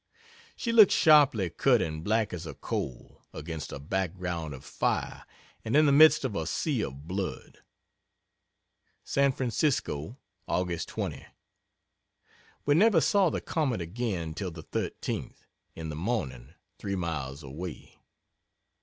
She looks sharply cut and black as a coal, against a background of fire and in the midst of a sea of blood. San Francisco, Aug. 20. We never saw the Comet again till the 13th, in the morning, three miles away.